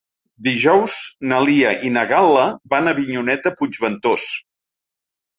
Dijous na Lia i na Gal·la van a Avinyonet de Puigventós.